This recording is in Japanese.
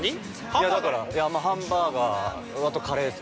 ◆いやだから、ハンバーガーあとカレーっす。